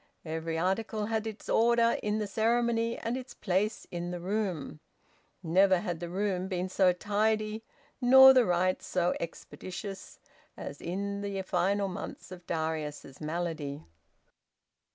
Every article had its order in the ceremony and its place in the room. Never had the room been so tidy, nor the rites so expeditious, as in the final months of Darius's malady.